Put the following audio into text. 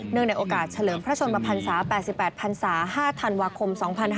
ในโอกาสเฉลิมพระชนมพันศา๘๘พันศา๕ธันวาคม๒๕๕๙